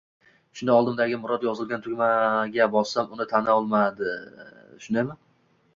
Shunda oldimdagi Murod yozilgan tugmaga bossam, uni tanlolmaydi, shundaymi?